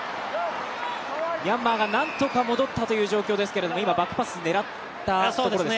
ミャンマーがなんとか戻ったという状況ですけども今、バックパス狙ったところです。